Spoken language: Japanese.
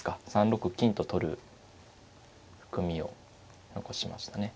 ３六金と取る含みを残しましたね。